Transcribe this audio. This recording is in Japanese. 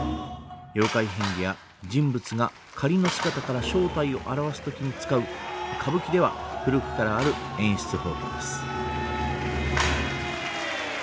妖怪変化や人物が仮の姿から正体を現す時に使う歌舞伎では古くからある演出方法です。